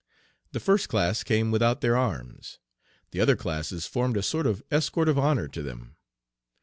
The first class came without their arms; the other classes formed a sort of escort of honor to them.